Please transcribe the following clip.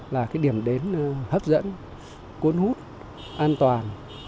là cái điểm đến hấp dẫn cuốn hút an toàn